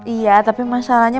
iya tapi masalahnya